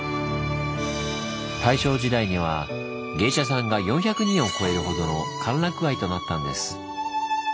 大正時代には芸者さんが４００人を超えるほどの歓楽街となったんです。